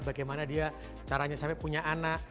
bagaimana dia caranya sampai punya anak